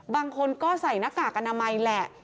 บางคนก็ใส่หน้ากากอนามัยแหละ